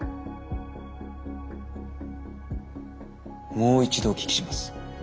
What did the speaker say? もう一度お聞きします。